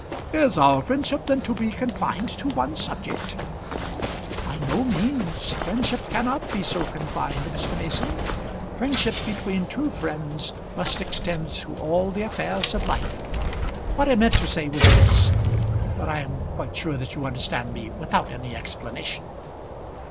"Is our friendship then to be confined to one subject?" "By no means. Friendship cannot be so confined, Mr. Mason. Friendship between true friends must extend to all the affairs of life. What I meant to say was this But I am quite sure that you understand me without any explanation."